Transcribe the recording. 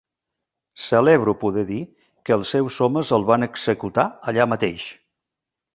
Celebro poder dir que els seus homes el van executar allà mateix